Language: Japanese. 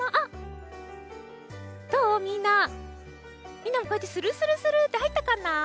みんなもこうやってスルスルスルッてはいったかな？